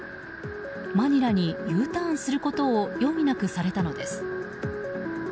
マニラにＵターンすることを余儀なくされたのです。